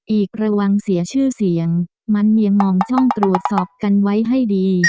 อีกระวังเสียชื่อเสียงมันเมียมองช่องตรวจสอบกันไว้ให้ดี